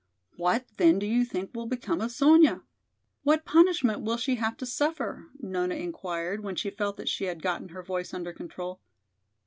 "What then do you think will become of Sonya? What punishment will she have to suffer?" Nona inquired when she felt that she had gotten her voice under control.